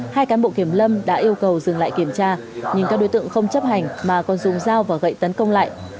hai cán bộ kiểm lâm đã yêu cầu dừng lại kiểm tra nhưng các đối tượng không chấp hành mà còn dùng dao và gậy tấn công lại